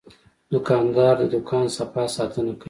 دوکاندار د دوکان صفا ساتنه کوي.